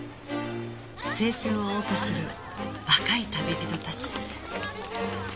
青春を謳歌する若い旅人たち